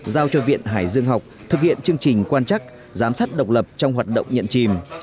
giao cho viện hải dương học thực hiện chương trình quan chắc giám sát độc lập trong hoạt động nhận chìm